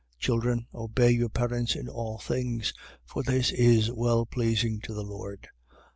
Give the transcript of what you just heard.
3:20. Children, obey your parents in all things: for this is well pleasing to the Lord.